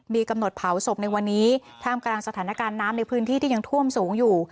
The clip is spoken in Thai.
มีกำหนดเผาศพในวันนี้ท่ามกลางสถานการณ์น้ำในพื้นที่ที่ยังท่วมสูงอยู่